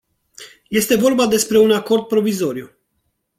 Este vorba despre un acord provizoriu.